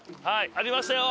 ありましたよ！